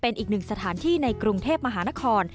จึงสถานที่ในกรุงเทพมหานคร